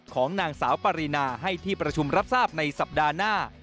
ของนางสาวปรินาให้ที่ประชุมรับทราบในสัปดาห์หน้า